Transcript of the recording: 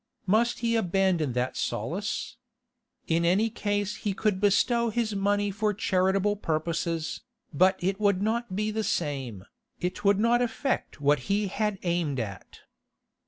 Must he abandon that solace? In any case he could bestow his money for charitable purposes, but it would not be the same, it would not effect what he had aimed at.